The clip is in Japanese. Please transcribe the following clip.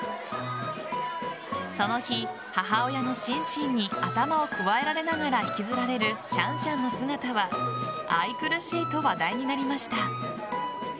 その日、母親のシンシンに頭をくわえられながら引きずられるシャンシャンの姿は愛くるしいと話題になりました。